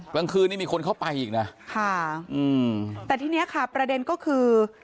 กลางคืนนี้มีคนเข้าไปอีกนะค่ะอืมแต่ทีเนี้ยค่ะประเด็นก็คือ